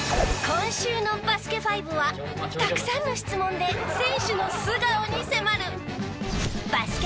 今週の『バスケ☆ＦＩＶＥ』はたくさんの質問で選手の素顔に迫る！